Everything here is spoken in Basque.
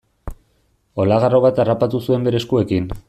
Olagarro bat harrapatu zuen bere eskuekin.